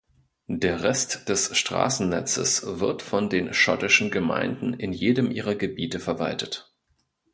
Der Rest des Straßennetzes wird von den schottischen Gemeinden in jedem ihrer Gebiete verwaltet.